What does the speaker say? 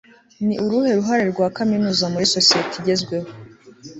ni uruhe ruhare rwa kaminuza muri sosiyete igezweho